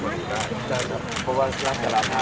เพราะว่าราคาราชี